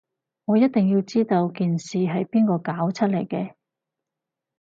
我一定要知道件事係邊個搞出嚟嘅